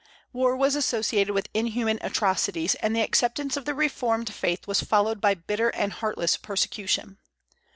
War was associated with inhuman atrocities, and the acceptance of the reformed faith was followed by bitter and heartless persecution.